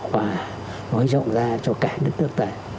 và nói rộng ra cho cả đất nước ta